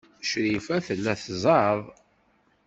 Crifa tella tzeɛɛeḍ.